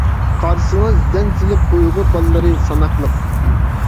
قارىسىڭىز زەن سېلىپ، ئۇيغۇر بالىلار ساناقلىق.